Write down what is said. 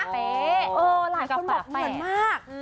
เป๊ะเออหลายคนบอกเหมือนมาก